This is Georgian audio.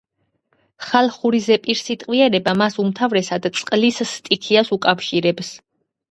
ხალხური ზეპირსიტყვიერება მას უმთავრესად წყლის სტიქიას უკავშირებს.